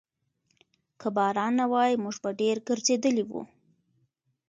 که باران نه وای، موږ به ډېر ګرځېدلي وو.